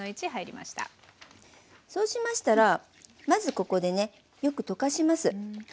そうしましたらまずここでねよく溶かします。